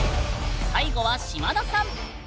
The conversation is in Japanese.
最後は島田さん！